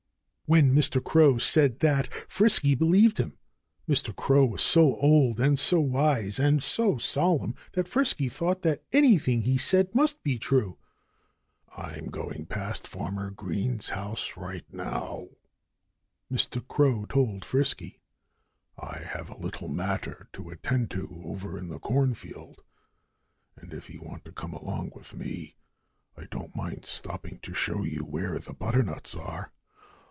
When Mr. Crow said that, Frisky believed him. Mr. Crow was so old, and so wise, and so solemn, that Frisky thought that anything he said must be true. "I'm going past Farmer Green's house right now," Mr. Crow told Frisky. "I have a little matter to attend to over in the cornfield. And if you want to come along with me I don't mind stopping to show you where the butternuts are.